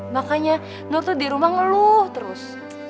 makanya nur tuh dirumah ngeluh terus